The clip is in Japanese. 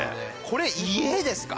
これ家ですか？